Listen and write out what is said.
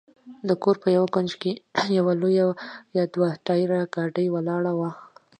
د کور په یوه کونج کې یوه لویه دوه ټایره ګاډۍ ولاړه وه.